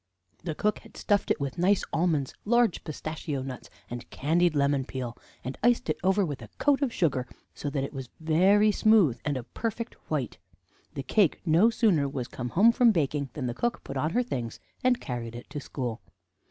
The cook had stuffed it with nice almonds, large pistachio nuts, and candied lemon peel, and iced it over with a coat of sugar, so that it was very smooth and a perfect white. The cake no sooner was come home from baking than the cook put on her things, and carried it to school.